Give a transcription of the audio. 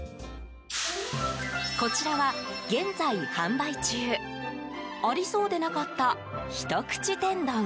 こちらは現在販売中ありそうでなかった一口天丼。